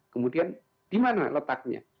kemudian di mana letaknya